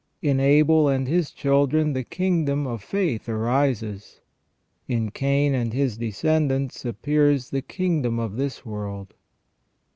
In Abel and his children the kingdom of faith arises ; in Cain and his descendants appears the kingdom of this world.